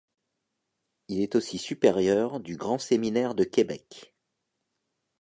Il est aussi supérieur du Grand Séminaire de Québec.